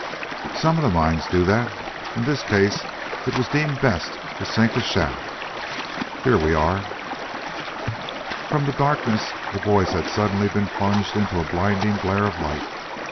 "Some of the mines do that. In this case it was deemed best to sink a shaft. Here we are." From the darkness the boys had suddenly been plunged into a blinding glare of light.